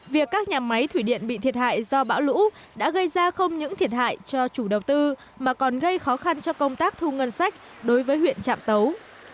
việc các nhà máy thủy điện bị thiệt hại do bão lũ đã gây ra không những thiệt hại cho chủ đầu tư mà còn gây khó khăn cho công tác thu ngân sách đối với huyện trạm tấu